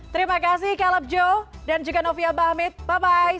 terima kasih caleb joe dan juga novia baamid bye bye